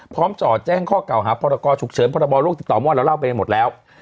พร้อมสอบแจ้งข้อเก่าพรกรฉุกเฉินพรบรโลกติดต่อมว่าเราเล่าไปหมดแล้ว